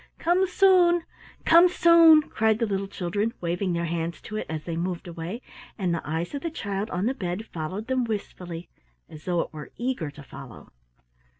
"Come soon! Come soon!" cried the little children, waving their hands to it as they moved away, and the eyes of the child on the bed followed them wistfully, as though it were eager to follow.